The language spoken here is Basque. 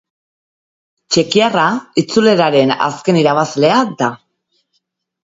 Txekiarra itzuliaren azken irabazlea da.